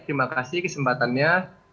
terima kasih kesempatannya